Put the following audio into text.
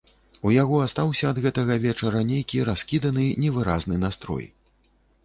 У яго астаўся ад гэтага вечара нейкі раскіданы, невыразны настрой.